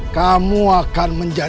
kamu akan menjaga